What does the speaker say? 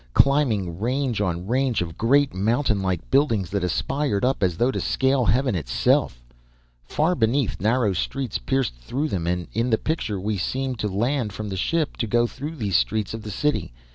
Climbing range on range of great mountain like buildings that aspired up as though to scale heaven itself! Far beneath narrow streets pierced through them and in the picture we seemed to land from the ship, to go through those streets of the city.